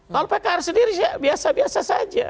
kalau pks sendiri sih biasa biasa saja